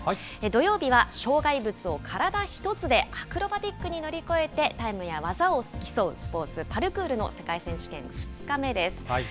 土曜日は、障害物を体１つでアクロバティックに乗り越えて、タイムや技を競うスポーツ、パルクールの世界選手権２日目です。